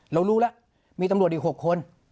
รู้แล้วมีตำรวจอีก๖คน